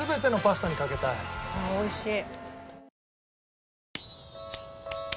おいしい。